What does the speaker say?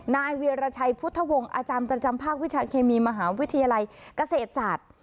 นายเวียรชัยพุทธวงศ์อาจารย์ประจำภาควิชาเคมีมหาวิทยาลัยเกษตรศาสตร์